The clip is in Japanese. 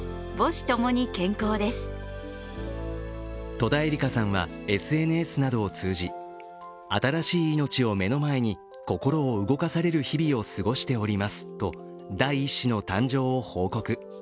戸田恵梨香さんはＳＮＳなどを通じ新しい命を目の前に、心を動かされる日々を過ごしておりますと第１子の誕生を報告。